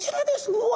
うわ。